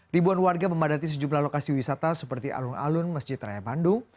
ribuan warga memadati sejumlah lokasi wisata seperti alun alun masjid raya bandung